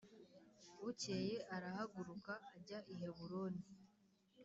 Bukeye arahaguruka ajya i Heburoni